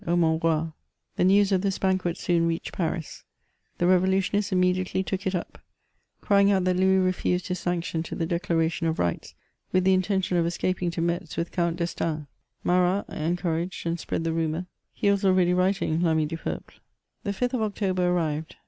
O mon roir The news of this banquet soon reached Paris ; the revolutionists immediately took it up, crying out that Louis refused his sanction to the Declaration of Rights with the intention of escaping to Metz with Count d'Estaing; Marat encouraged and spread the rumour; he was already writing " Land du Peuple" The 5th of October arrived.